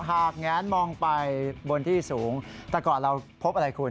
หากแงนมองไปบนที่สูงแต่ก่อนเราพบอะไรคุณ